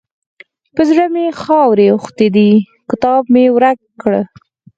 پر زړه مې خاورې اوښتې دي؛ کتاب مې ورک کړ.